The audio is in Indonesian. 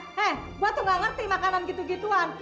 hei gue tuh gak ngerti makanan gitu gituan